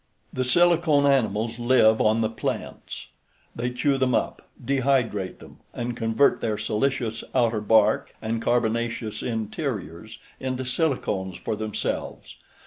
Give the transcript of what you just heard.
The silicone animals live on the plants. They chew them up, dehydrate them, and convert their silicious outer bark and carbonaceous interiors into silicones for themselves.